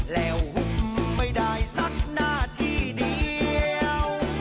แล้วหุ่มไม่ได้สักนาทีเดียว